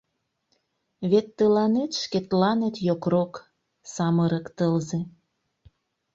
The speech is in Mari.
Вет тыланет шкетланет йокрок, самырык Тылзе.